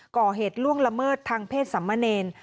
ก่อเหตุล่วงละเมิดทางเพศสัมมะเนร